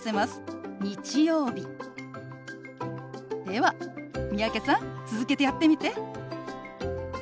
では三宅さん続けてやってみて。